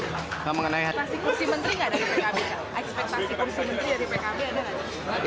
ekspektasi kursi menteri dari pkb ada nggak